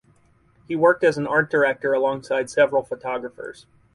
He worked as an art director alongside several photographers.